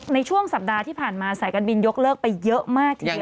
ในช่วงสัปดาห์ที่ผ่านมาสายการบินยกเลิกไปเยอะมากทีเดียว